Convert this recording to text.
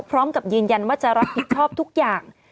พร้อมกับยืนยันว่าจะรับผิดชอบทุกอย่าง